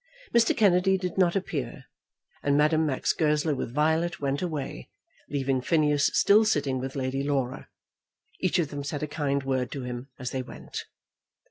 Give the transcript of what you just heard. Mr. Kennedy did not appear, and Madame Max Goesler with Violet went away, leaving Phineas still sitting with Lady Laura. Each of them said a kind word to him as they went.